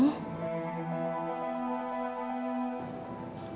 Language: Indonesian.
makanan kesukaan kamu